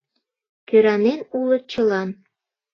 Кӧранен улыт чылан.